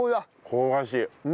香ばしい。